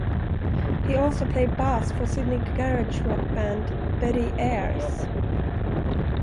He also played bass for Sydney garage rock band Betty Airs.